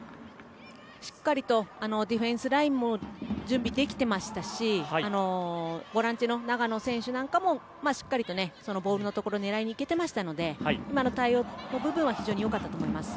しっかりとディフェンスラインも準備できていましたしボランチの長野選手なんかもボールのところ狙いにいけていましたので今の対応の部分は非常に良かったと思います。